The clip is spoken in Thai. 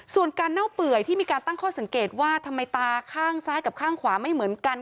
ส่วนการเน่าเปื่อยที่มีการตั้งข้อสังเกตว่าทำไมตาข้างซ้ายกับข้างขวาไม่เหมือนกัน